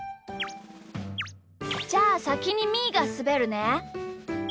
じゃあさきにみーがすべるね。